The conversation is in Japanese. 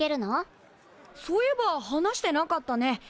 そういえば話してなかったね。